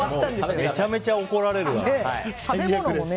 めちゃめちゃ怒られる。